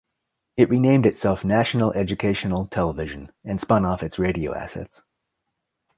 It renamed itself National Educational Television, and spun off its radio assets.